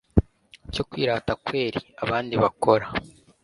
cyo kwirata kweri abandi bakora